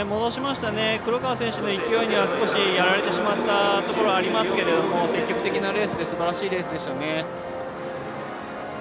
黒川選手の勢いには少しやられてしまったところありますけども積極的なレースですばらしいレースでしたね。